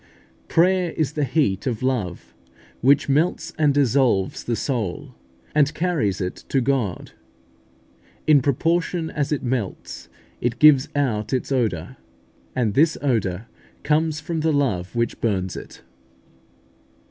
Prayer is the heat of love, which melts and dissolves the soul, and carries it to God. In proportion as it melts, it gives out its odour, and this odour comes from the love which burns it.